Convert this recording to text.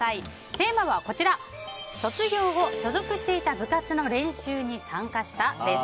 テーマは、卒業後所属していた部活の練習に参加した？です。